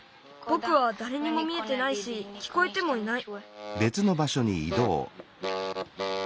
ぼくはだれにも見えてないしきこえてもいない。